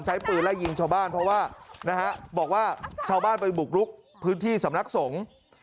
ใช้ปืนไล่ยิงชาวบ้านเพราะว่านะฮะบอกว่าชาวบ้านไปบุกลุกพื้นที่สำนักสงฆ์